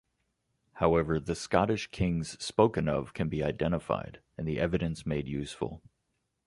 However, the Scottish kings spoken of can be identified, and the evidence made useful.